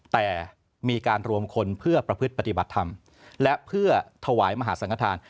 แต่มีการรวมคนเพื่อประพฤติปฏิบัติธรรมและเพื่อถวายมหาสังฆฐาน